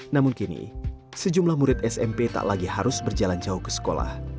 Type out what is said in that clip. namun kini sejumlah murid smp tak lagi harus berjalan jauh ke sekolah